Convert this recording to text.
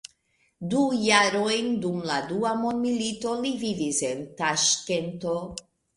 Du jarojn dum la Dua mondmilito li vivis en Taŝkento.